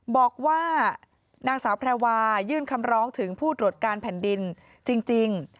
บอกว่านางสาวแพรวายื่นคำร้องถึงผู้ตรวจการแผ่นดินจริง